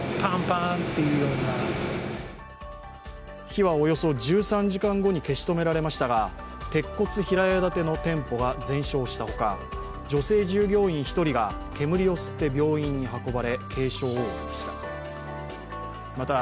火は、およそ１３時間後に消し止められましたが、鉄骨平屋建ての店舗が全焼したほか女性従業員１人が煙を吸って病院に運ばれ軽傷を負いました。